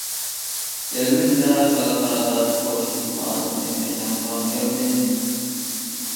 ئېلىمىز ۋە خەلقئارادا «قوش تىل» مائارىپى مەيدانغا كەلدى.